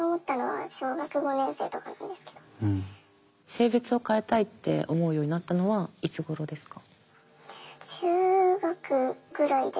性別を変えたいって思うようになったのはいつごろですか？